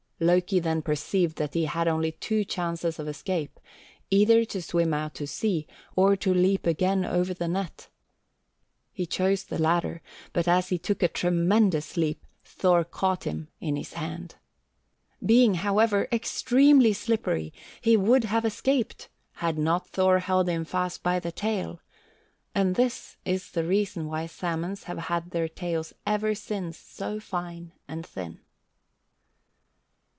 Loki then perceived that he had only two chances of escape, either to swim out to sea, or to leap again over the net. He chose the latter, but as he took a tremendous leap Thor caught him in his hand. Being, however, extremely slippery, he would have escaped had not Thor held him fast by the tail, and this is the reason why salmons have had their tails ever since so fine and thin.